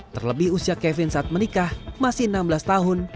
terlebih usia kevin saat menikah masih enam belas tahun